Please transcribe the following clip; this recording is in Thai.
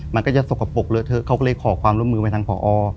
มันก็จะสกปรกเลอะเทอะเขาก็เลยขอความร่วมมือไปทางผอ